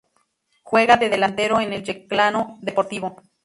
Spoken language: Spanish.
Juega de delantero en el Yeclano Deportivo.